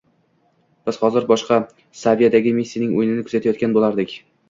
biz hozir boshqa saviyadagi Messining o‘yinini kuzatayotgan bo‘lardik.